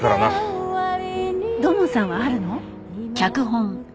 土門さんはあるの？